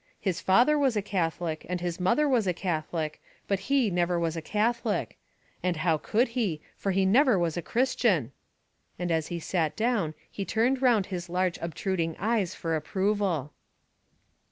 His father was a Catholic, and his mother was a Catholic, but he never was a Catholic; and how could he, for he never was a Christian," and as he sat down he turned round his large obtruding eyes for approval.